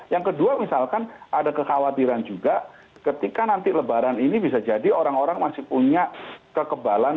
yang kedua misalkan ada kekhawatiran juga ketika nanti lebaran ini bisa jadi orang orang masih punya kekebalan